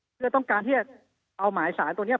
เพื่อต้องการที่จะเอาหมายสารตัวนี้